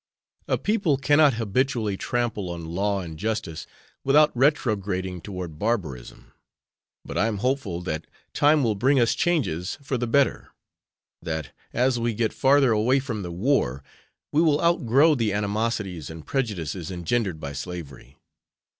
A people cannot habitually trample on law and justice without retrograding toward barbarism. But I am hopeful that time will bring us changes for the better; that, as we get farther away from the war, we will outgrow the animosities and prejudices engendered by slavery.